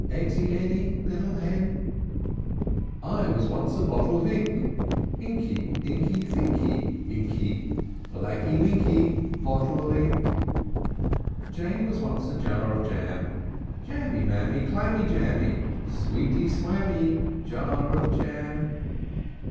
Eggsy any, Little hen? I i I was once a bottle of ink Inky, Dinky, Thinky, Inky, Blacky minky, Bottle of ink! J j J was once a jar of jam, Jammy, Mammy, Clammy, Jammy, Sweety, swammy, Jar of jam!